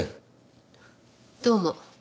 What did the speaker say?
どうも。